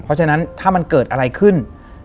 เพราะฉะนั้นถ้ามันเกิดอะไรขึ้น